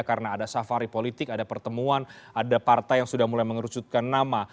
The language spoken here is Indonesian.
karena ada safari politik ada pertemuan ada partai yang sudah mulai mengerucutkan nama